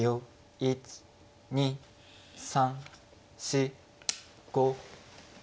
１２３４５。